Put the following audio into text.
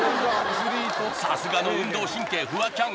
さすがの運動神経フワちゃん